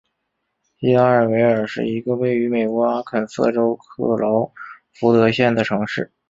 锡达尔维尔是一个位于美国阿肯色州克劳福德县的城市。